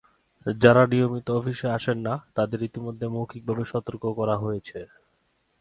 যাঁরা নিয়মিত অফিসে আসেন না, তাঁদের ইতিমধ্যে মৌখিকভাবে সতর্ক করা হয়েছে।